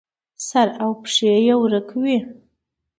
سر او پښې یې ورک وي.